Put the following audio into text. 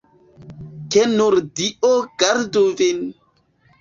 Ke nur Dio gardu vin!